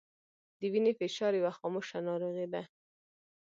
د وینې فشار یوه خاموشه ناروغي ده